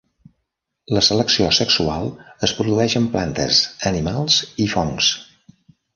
La selecció sexual es produeix en plantes, animals i fongs.